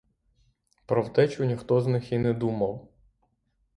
Про втечу ніхто з них і не думав.